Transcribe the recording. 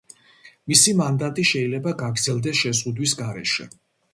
მისი მანდატი შეიძლება გაგრძელდეს შეზღუდვის გარეშე.